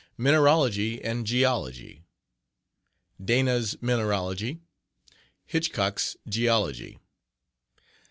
Mineralogy and Geology....Dana's Mineralogy. Hitchcock's Geology.